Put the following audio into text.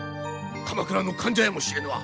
鎌倉の間者やもしれぬわ。